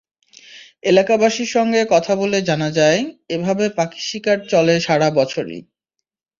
এলাকাবাসীর সঙ্গে কথা বলে জানা যায়, এভাবে পাখি শিকার চলে সারা বছরই।